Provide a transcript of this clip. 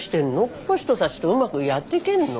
この人たちとうまくやってけんの？